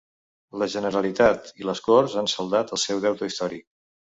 La Generalitat i les Corts han saldat el seu deute històric